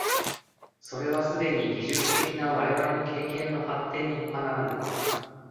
それはすでに技術的な我々の経験の発展にほかならない。